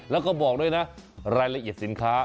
แล้วก็บอกด้วยนะรายละเอียดสินค้า